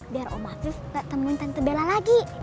biar om afif gak temuin tante bella lagi